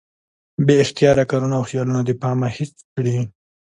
بې اختياره کارونه او خيالونه د پامه هېڅ کړي